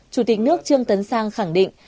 chủ tịch nước trương tấn sang khẳng định